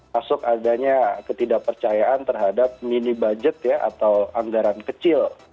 masuk adanya ketidakpercayaan terhadap mini budget ya atau anggaran kecil